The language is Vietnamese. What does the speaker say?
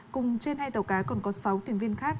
cùng trên hai tàu cá còn có sáu thuyền viên khác